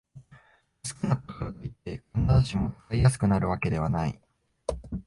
薄くなったからといって、必ずしも使いやすくなるわけではない